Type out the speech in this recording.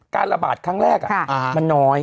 การระบาดครั้งแรกมันน้อย